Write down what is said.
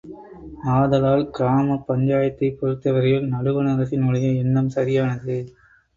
ஆதலால், கிராம பஞ்சாயத்தைப் பொறுத்தவரையில் நடுவணரசினுடைய எண்ணம் சரியானது.